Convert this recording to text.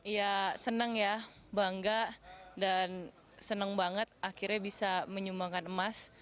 ya senang ya bangga dan senang banget akhirnya bisa menyumbangkan emas